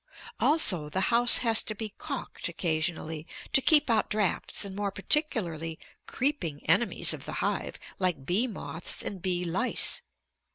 Also the house has to be "calked" occasionally to keep out draughts and more particularly creeping enemies of the hive, like bee moths and bee lice.